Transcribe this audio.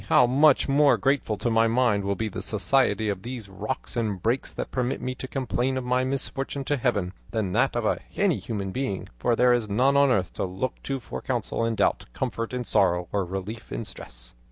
how much more grateful to my mind will be the society of these rocks and brakes that permit me to complain of my misfortune to Heaven, than that of any human being, for there is none on earth to look to for counsel in doubt, comfort in sorrow, or relief in distress!"